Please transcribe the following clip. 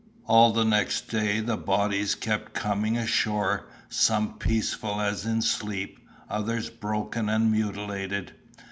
All the next day the bodies kept coming ashore, some peaceful as in sleep, others broken and mutilated.